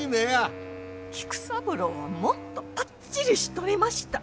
菊三郎はもっとパッチリしとりました。